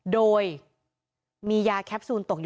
โดยมียาแคลปซูลตก